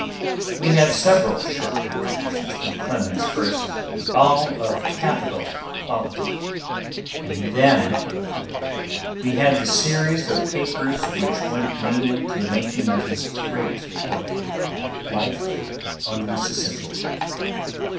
We had several short contributions from Clemens first, all of capital quality, and then we had the series of papers which went mainly to the making of his great book, 'Life on the Mississippi'.